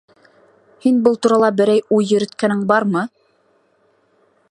Һин был турала берәй уй йөрөткәнең бармы?